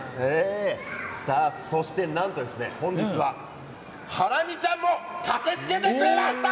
そして、なんと本日はハラミちゃんも駆けつけてくれました！